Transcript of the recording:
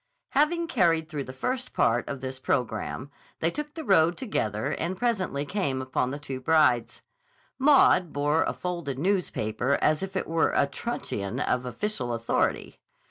Having carried through the first part of this programme, they took the road together and presently came upon the two brides. Maud bore a folded newspaper as if it were a truncheon of official authority.